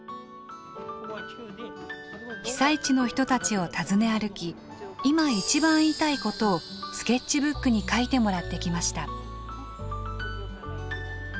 被災地の人たちを訪ね歩き今一番言いたいことをスケッチブックに書いてもらってきました。